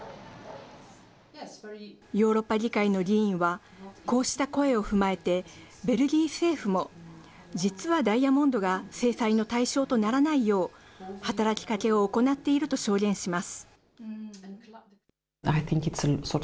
ヨーロッパ議会の議員はこうした声を踏まえて、ベルギー政府も実はダイヤモンドが制裁の対象とならないよう、働きかけを行っていると証言します。